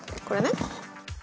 これね。